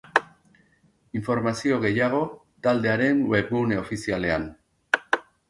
Informazio gehiago, taldearen webgune ofizialean.